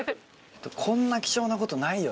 こんな貴重なことないよ